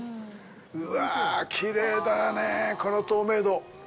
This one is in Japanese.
うわぁ、きれいだね、この透明度！